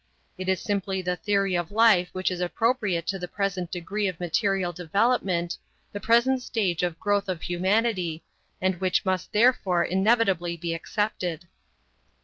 It is simply the theory of life which is appropriate to the present degree of material development, the present stage of growth of humanity, and which must therefore inevitably be accepted.